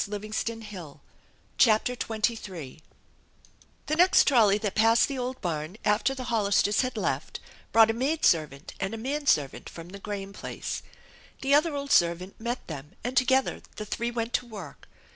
Shirley shut her eye* CHAPTER XXIII THE next trolley that passed the old barn after the Hol listers had left brought a maid servant and a man servant from the Graham place. The other old servant met them, and together the three went to work.